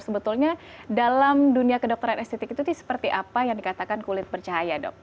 sebetulnya dalam dunia kedokteran estetik itu seperti apa yang dikatakan kulit bercahaya dok